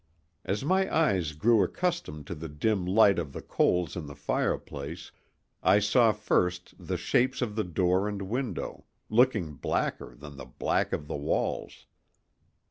As my eyes grew accustomed to the dim light of the coals in the fireplace, I saw first the shapes of the door and window, looking blacker than the black of the walls.